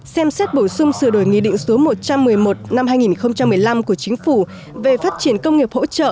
xem xét bổ sung sửa đổi nghị định số một trăm một mươi một năm hai nghìn một mươi năm của chính phủ về phát triển công nghiệp hỗ trợ